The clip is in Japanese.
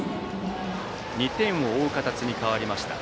２点を追う形に変わりました。